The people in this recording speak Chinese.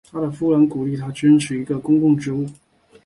他的夫人鼓励他去争取一份公共职务。